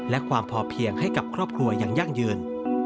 และความพอเพียงให้กับครอบครัวอย่างยั่งยืน